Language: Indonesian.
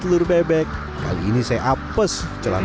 dan bebek yang seperti ini akan dijual ke pengepul untuk dipotong